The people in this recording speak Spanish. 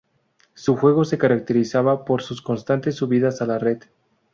Su juego se caracterizaba por sus constantes subidas a la red.